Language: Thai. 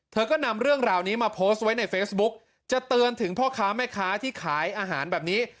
เธอก็นำเรื่องราวนี้มาโพสต์ไว้ในเฟซบุ๊กจะเตือนถึงพ่อค้าแม่ค้าที่ขายอาหารแบบนี้